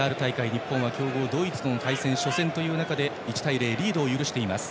日本は強豪ドイツとの対戦が初戦という中で１対０とリードを許しています。